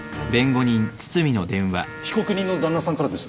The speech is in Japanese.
被告人の旦那さんからです。